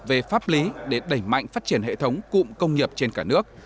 về pháp lý để đẩy mạnh phát triển hệ thống cụm công nghiệp trên cả nước